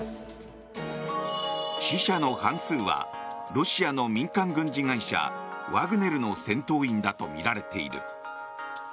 死者の半数はロシアの民間軍事会社ワグネルの戦闘員だとみられている。